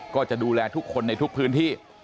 ก็จะดูแลทุกคนในทุกพื้นที่